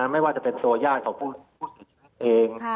ไม่ว่าจะเป็นตัวญาติของผู้เสียชีวิตเอง